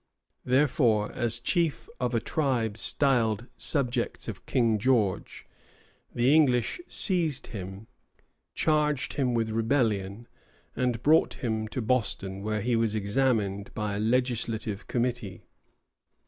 Therefore, as chief of a tribe styled subjects of King George, the English seized him, charged him with rebellion, and brought him to Boston, where he was examined by a legislative committee.